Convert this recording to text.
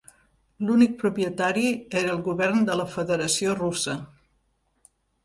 L'únic propietari era el Govern de la Federació Russa.